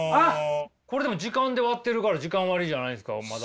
これでも時間で割ってるから時間割じゃないんですかまだ。